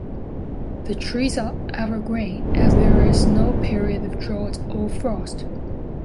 The trees are evergreen as there is no period of drought or frost.